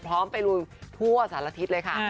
พร้อมไปลุยทั่วสารทิศเลยค่ะ